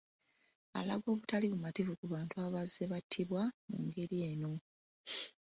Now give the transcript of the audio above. Alaga obutali bumativu ku bantu abazze battibwa mu ngeri eno.